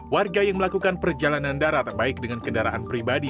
warga yang melakukan perjalanan darat baik dengan kendaraan pribadi